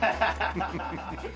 フフフフ。